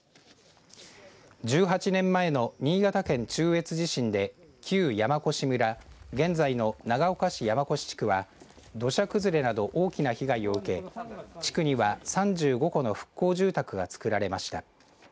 １８年前の新潟県中越地震で旧山古志村現在の長岡市山古志地区は土砂崩れなど大きな被害を受け地区には３５戸の復興住宅が造られました。